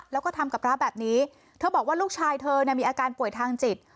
แล้วก็ทำกับพระแบบนี้เธอบอกว่าลูกชายเธอเนี่ยมีอาการป่วยทางจิต